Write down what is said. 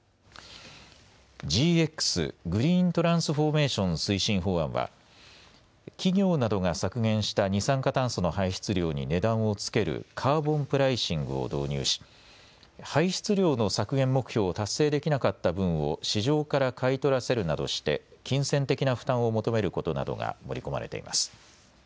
ＧＸ・グリーントランスフォーメーション推進法案は企業などが削減した二酸化炭素の排出量に値段をつけるカーボンプライシングを導入し排出量の削減目標を達成できなかった分を市場から買い取らせるなどして金銭的な負担を求めることなどが盛り込まれています。